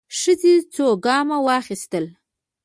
ښځې څو ګامه واخيستل.